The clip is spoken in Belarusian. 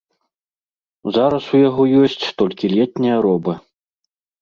Зараз у яго ёсць толькі летняя роба.